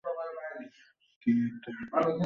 King আর্থারের সৈন্যসামন্তের সাথেও নাকি আমার সাক্ষাৎ হবে।